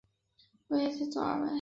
岳飞为左起第二位。